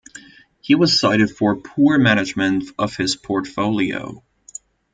He was cited for poor management of his portfolio.